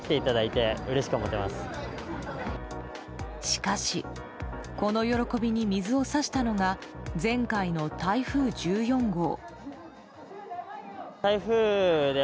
しかし、この喜びに水を差したのが前回の台風１４号。